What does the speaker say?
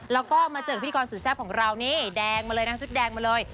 แล้วก็มาเจอพิธีกรสุดแซ่บของเรานี่แดงมาเลยนะชุดแดงมาเลย